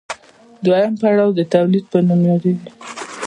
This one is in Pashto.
دویم پړاو د تولید په نوم یادېږي